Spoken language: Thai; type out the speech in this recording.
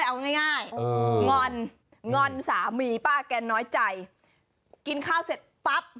เอาง่ายงอนงอนสามีป้าแกน้อยใจกินข้าวเสร็จปั๊บ